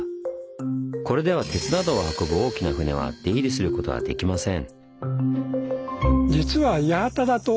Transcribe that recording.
これでは鉄などを運ぶ大きな船は出入りすることはできません。